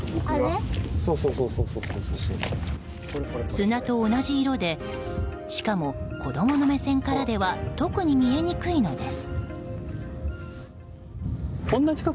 砂と同じ色でしかも、子供の目線からでは特に見えにくいのです。